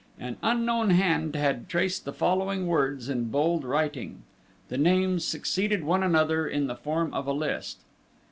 An unknown hand had traced the following words in bold writing. The names succeeded one another in the form of a list.